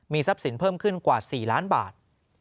ทรัพย์สินเพิ่มขึ้นกว่า๔ล้านบาท